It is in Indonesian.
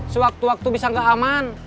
sewaktu waktu bisa nggak aman